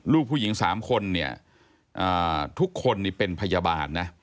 ลูกผู้หญิง๓คนเนี่ยทุกคนนี่เป็นพยาบาลนะ